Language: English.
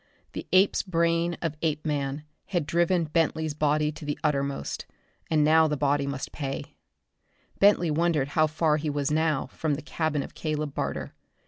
The ape's brain of Apeman had driven Bentley's body to the uttermost, and now that body must pay. Bentley wondered how far he was now from the cabin of Caleb Barter.